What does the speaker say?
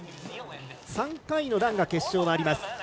３回のランが決勝にはあります。